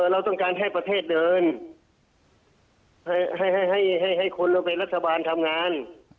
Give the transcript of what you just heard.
เราต้องการให้ประเทศเดินให้คนเราเป็นรัฐบาลทำงาน